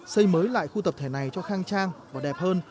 xây mới lại khu tập thể này cho khang trang và đẹp hơn